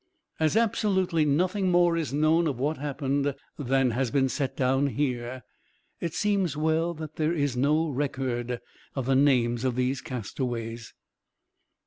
As absolutely nothing more is known of what happened than has been set down here, it seems well that there is no record of the names of these castaways.